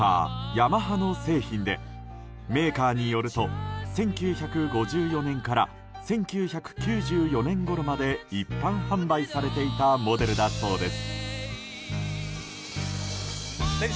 ヤマハの製品でメーカーによると１９５４年から１９９４年ごろまで一般販売されていたモデルだそうです。